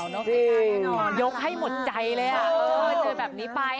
สวัสดีค่ะอย่าไม่นอนยกให้หมดใจเลยอะเจอแบบนี้ไป